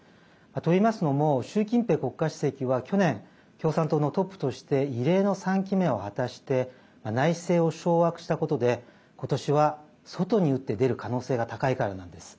といいますのも習近平国家主席は去年共産党のトップとして異例の３期目を果たして内政を掌握したことで今年は外に打って出る可能性が高いからなんです。